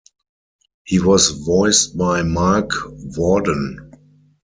He was voiced by Marc Worden.